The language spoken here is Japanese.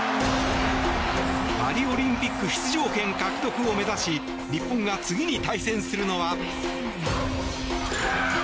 パリオリンピック出場権獲得を目指し日本が次に対戦するのは。